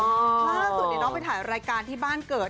มากสุดเนี่ยน้องไปถ่ายรายการที่บ้านเกิด